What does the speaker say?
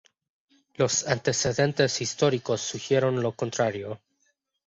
Los antecedentes históricos sugieren lo contrario.